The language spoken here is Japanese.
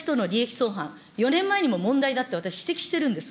そうはん、４年前にも問題だって私、指摘してるんです。